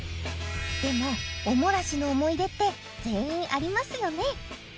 でもお漏らしの思い出って全員ありますよね